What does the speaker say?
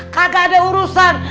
kagak ada urusan